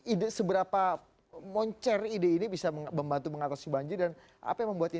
ide seberapa moncer ide ini bisa membantu mengatasi banjir dan apa yang membuat ini